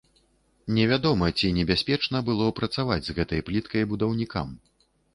Невядома, ці небяспечна было працаваць з гэтай пліткай будаўнікам.